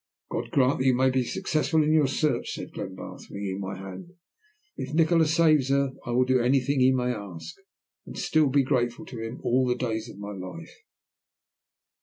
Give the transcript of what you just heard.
"God grant you may be successful in your search," said Glenbarth, wringing my hand. "If Nikola saves her I will do anything he may ask, and still be grateful to him all the days of my life."